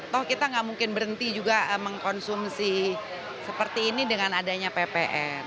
toh kita nggak mungkin berhenti juga mengkonsumsi seperti ini dengan adanya ppn